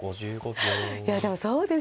いやでもそうですよね。